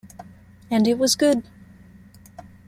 And it was good.